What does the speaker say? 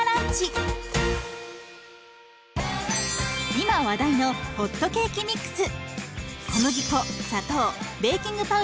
今話題のホットケーキミックス。